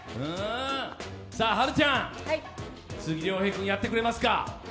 華ちゃん、鈴木亮平君、やってくれますか。